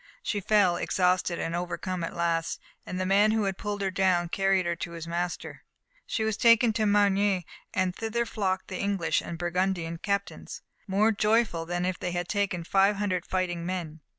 She fell, exhausted and overcome at last, and the man who had pulled her down carried her to his master. She was taken to Margny, and thither flocked the English and Burgundian captains, "more joyful than if they had taken five hundred fighting men."